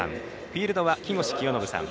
フィールドは木越清信さん